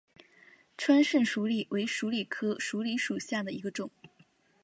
川滇鼠李为鼠李科鼠李属下的一个种。